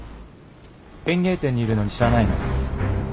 園芸店にいるのに知らないの？